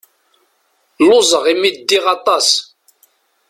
Luẓeɣ imi ddiɣ aṭas.